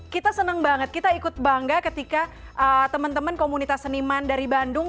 kita senang banget kita ikut bangga ketika teman teman komunitas seniman dari bandung